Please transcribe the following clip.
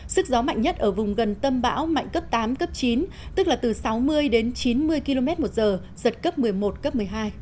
sức gió mạnh nhất ở vùng gần tâm bão mạnh cấp tám cấp chín tức là từ sáu mươi đến chín mươi km một giờ giật cấp một mươi một cấp một mươi hai